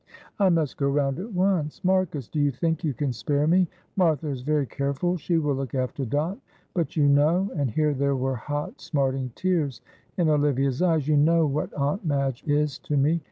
"I must go round at once. Marcus, do you think you can spare me? Martha is very careful; she will look after Dot. But you know" and here there were hot, smarting tears in Olivia's eyes "you know what Aunt Madge is to me.